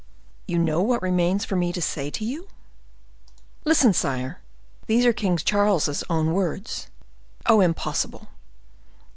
"You know what remains for me to say to you?" "Listen, sire; these are King Charles's own words—" "Oh, impossible!"